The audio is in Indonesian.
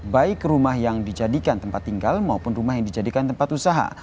baik rumah yang dijadikan tempat tinggal maupun rumah yang dijadikan tempat usaha